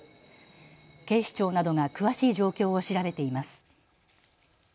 警視庁などが詳しい状況を調べています。